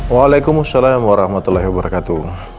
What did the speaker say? waalaikumussalam warahmatullahi wabarakatuh